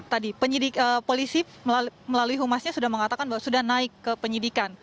tadi polisi melalui humasnya sudah mengatakan bahwa sudah naik ke penyidikan